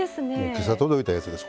今朝届いたやつです